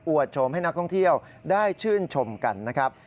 โฉมให้นักท่องเที่ยวได้ชื่นชมกันนะครับ